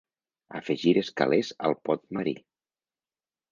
Afegires calés al pot marí.